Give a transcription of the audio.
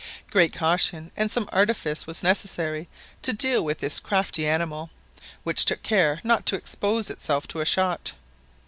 Great caution and some artifice was necessary to deal with this crafty animal, which took care not to expose itself to a shot.